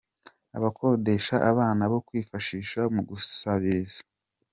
Bakodesha abana bo kwifashisha mu gusabiriza.